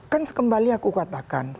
kan kembali aku katakan